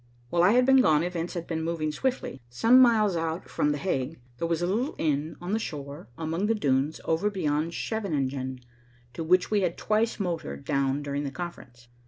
While I had been gone, events had been moving swiftly. Some miles out from The Hague, there was a little inn on the shore among the dunes over beyond Scheveningen to which we had twice motored down during the conference.